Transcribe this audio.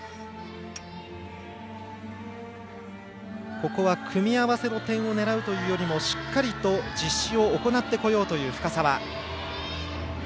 ここは組み合わせの点を狙うよりもしっかりと実施を行ってこようという深沢。